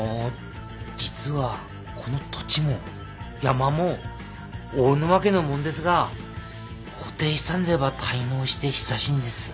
実はこの土地も山も大沼家のもんですが固定資産税ば滞納して久しいんです。